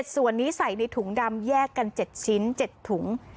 ส่วนนี้ใส่ในถุงดำแยกกัน๗ชิ้น๗ถุง